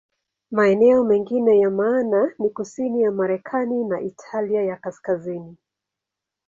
Maeneo mengine ya maana ni kusini ya Marekani na Italia ya Kaskazini.